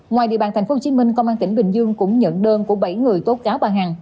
ngoài địa bàn tp hcm công an tỉnh bình dương cũng nhận đơn của bảy người tốt cáo bà hằng